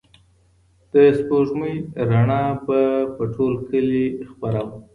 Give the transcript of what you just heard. د سپوږمۍ رڼا به په ټول کلي خپره وه.